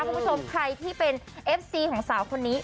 คุณผู้ชมใครที่เป็นเอฟซีของสาวคนนี้